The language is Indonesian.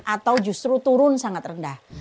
atau justru turun sangat rendah